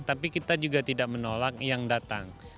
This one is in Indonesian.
tapi kita juga tidak menolak yang datang